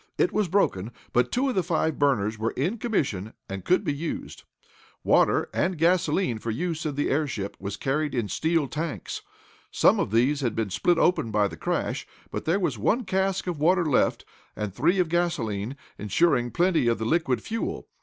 It was broken, but two of the five burners were in commission, and could be used. Water, and gasolene for use in the airship, was carried in steel tanks. Some of these had been split open by the crash, but there was one cask of water left, and three of gasolene, insuring plenty of the liquid fuel.